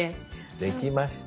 できました。